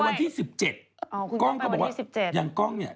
ก้องก็บอกว่าอย่างก้องเนี่ย